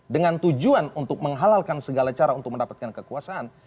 dengan tujuan untuk menghalalkan segala cara untuk mendapatkan kekuasaan